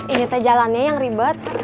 ini tuh jalannya yang ribet